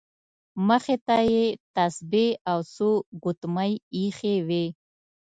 مخې ته یې تسبیح او څو ګوتمۍ ایښې وې.